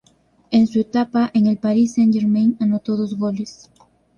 En su etapa en el Paris Saint Germain anotó dos goles.